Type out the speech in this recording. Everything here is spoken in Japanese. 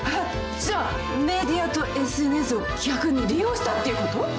じゃあメディアとＳＮＳを逆に利用したっていうこと？